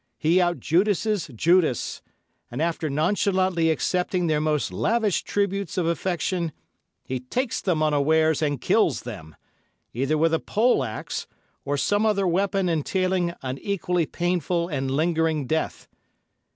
He out Judas's Judas, and after nonchalantly accepting their most lavish tributes of affection, he takes them unawares and kills them, either with a poleaxe, or some other weapon entailing an equally painful and lingering death.